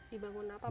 dibangun apa pak